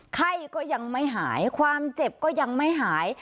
ไข้ก็ยังไม่หายความเจ็บก็ยังไม่หาย